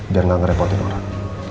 biar gak ngerepotin orang